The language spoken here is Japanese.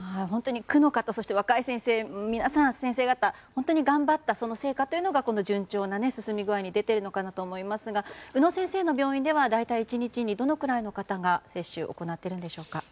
区の方、若い先生方皆さん本当に頑張った成果というのが順調な進み具合に出ているかと思いますが宇野先生の病院では大体１日にどのくらいの方が接種を行っているんでしょうか。